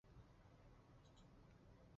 祖父王思与。